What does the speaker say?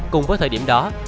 cùng với thời điểm đó